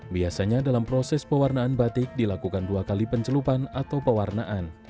biasanya dalam proses pewarnaan batik dilakukan dua kali pencelupan atau pewarnaan